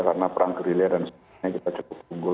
karena perang gerilya dan sebagainya kita cukup unggul